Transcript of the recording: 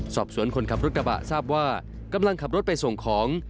คนขับรถกระบะทราบว่ากำลังขับรถไปส่งของ